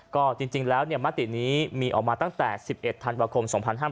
ก็จริงแล้วมตินี้มีออกมาตั้งแต่๑๑ธันวาคม๒๕๕๙